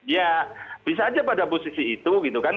ya bisa aja pada posisi itu gitu kan